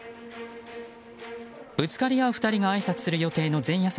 ぶつかり合う２人があいさつする予定の前夜祭